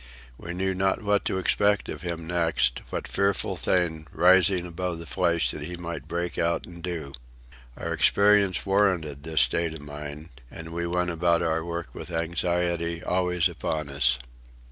We knew not what to expect of him next, what fearful thing, rising above the flesh, he might break out and do. Our experience warranted this state of mind, and we went about our work with anxiety always upon us.